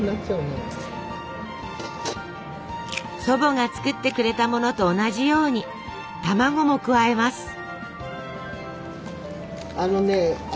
祖母が作ってくれたものと同じように卵も加えます。